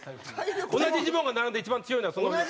同じジモンが並んで一番強いのはそのぐらい。